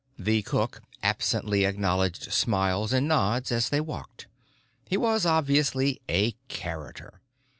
The cook absently acknowledged smiles and nods as they walked. He was, obviously, a character.